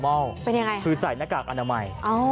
เป็นยังไงคือใส่หน้ากากอนามัย